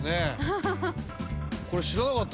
これ知らなかった。